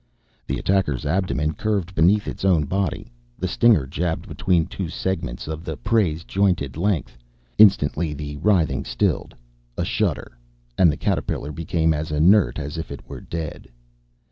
The attacker's abdomen curved beneath its own body; the stinger jabbed between two segments of the prey's jointed length. Instantly, the writhing stilled. A shudder, and the caterpillar became as inert as if it were dead.